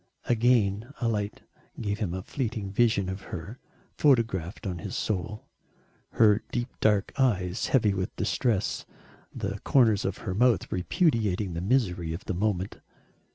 Again a light gave him a fleeting vision of her photographed on to his soul. Her deep dark eyes, heavy with distress, the corners of her mouth repudiating the misery of the moment.